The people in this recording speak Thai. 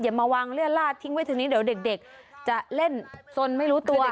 มาวางเลือดลาดทิ้งไว้ทีนี้เดี๋ยวเด็กจะเล่นสนไม่รู้ตัว